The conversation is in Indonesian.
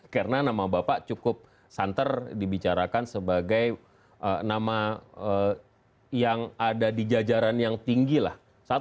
karena nama bapak cukup santer dibicarakan sebagai nama yang ada di jajaran yang tinggi lah